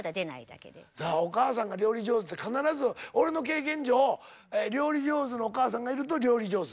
お母さんが料理上手って必ず俺の経験上料理上手のお母さんがいると料理上手。